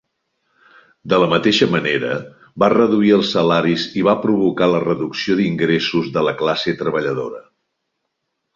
De la mateixa manera, va reduir els salaris i va provocar la reducció d'ingressos de la classe treballadora.